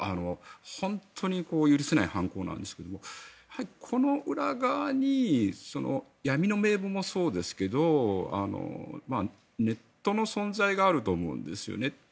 本当に許せない犯行なんですけどこの裏側に闇の名簿もそうですけどネットの存在があると思うんですよね。